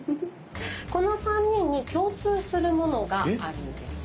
この３人に共通するものがあるんです。